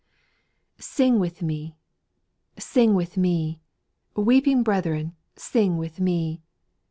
1. Ci ING with me I sing with me I O Weeping brethren, sing with me